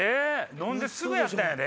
飲んですぐやったんやで。